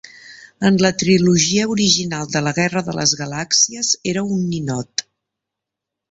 En la trilogia original de la Guerra de les Galàxies era un ninot.